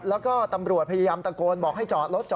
แล้วก็ตำรวจพยายามตะโกนบอกให้จอดรถจอ